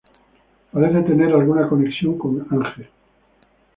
Parece tener alguna conexión con Ange.